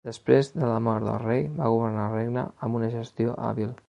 Després de la mort del rei, va governar el regne amb una gestió hàbil.